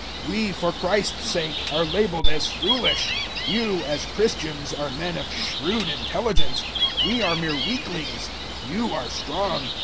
004:010 We, for Christ's sake, are labeled as "foolish"; you, as Christians, are men of shrewd intelligence. We are mere weaklings: you are strong.